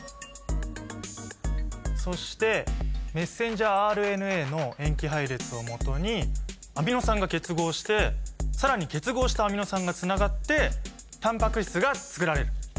そしてメッセンジャーＲＮＡの塩基配列をもとにアミノ酸が結合して更に結合したアミノ酸がつながってタンパク質がつくられる。